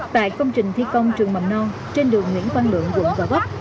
tại công trình thi công trường mầm non trên đường nguyễn văn lượng quận gò vấp